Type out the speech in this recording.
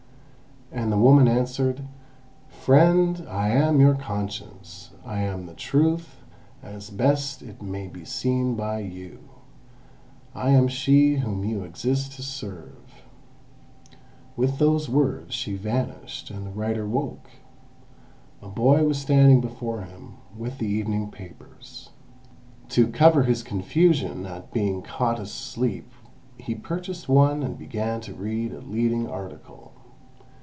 And the woman answered: "Friend, I am your Conscience; I am the Truth as best it may be seen by you. I am she whom you exist to serve." With those words she vanished, and the writer woke. A boy was standing before him with the evening papers. To cover his confusion at being caught asleep he purchased one and began to read a leading article.